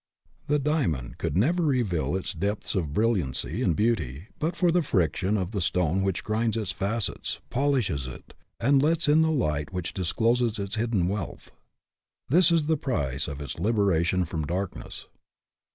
The diamond could never reveal its depths of brill iancy and beauty, but for the friction of the stone which grinds its facets, polishes it, and lets in the light which discloses its hidden wealth. This is the price of its liberation from darkness.